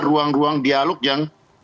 ruang ruang dialog yang